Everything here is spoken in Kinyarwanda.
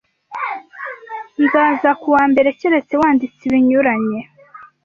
Nzaza kuwambere keretse wanditse ibinyuranye.